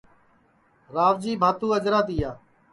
راوجی بھاتُو اجرا تِیا